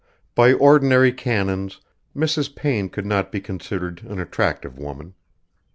By ordinary canons Mrs. Payne could not be considered an attractive woman.